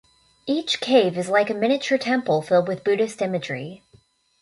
Each cave is like a miniature temple filled with Buddhist imagery.